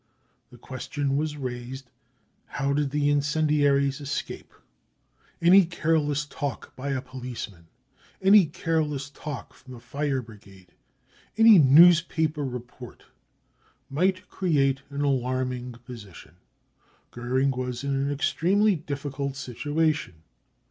The question was raised?'; How did the incendiaries escape ? Any careless talk by a THE REAL INCENDIARIES 1 37 'policeman, any careless talk from the fire brigade, any newspaper report might create an alarming position. Goering was in an extremely difficult situation.